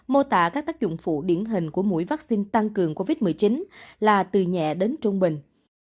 mô tả các tác dụng phụ điển hình của mũi vaccine tăng cường covid một mươi chín là từ nhẹ đến trung bình